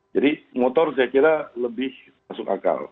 jadi motor saya kira lebih masuk akal